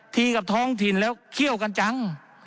กับท้องถิ่นแล้วเขี้ยวกันจัง